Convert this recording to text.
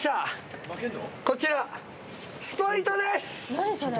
何それ？